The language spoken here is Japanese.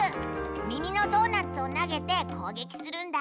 みみのドーナツをなげてこうげきするんだ。